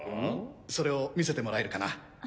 それを見せてもらえるかな。